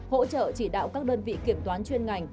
hỗ trợ chỉ đạo các đơn vị kiểm toán chuyên ngành